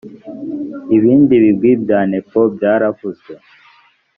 ibindi bigwi bya nepo byaravuzwe